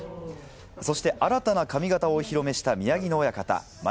そして新たな髪形をお披露目した宮城野親方。